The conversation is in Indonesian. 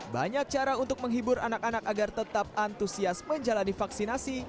banyak cara untuk menghibur anak anak agar tetap antusias menjalani vaksinasi